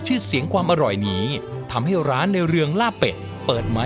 ชื่อเสียงความอร่อยนี้ทำให้ร้านในเรืองล่าเป็ดเปิดไม้